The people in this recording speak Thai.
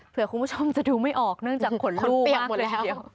เผื่อคุณผู้ชมจะดูไม่ออกเนื่องจากขนลู่มากเทียบ